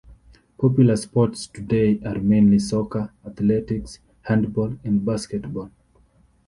Popular sports today are mainly soccer, athletics, handball and basketball.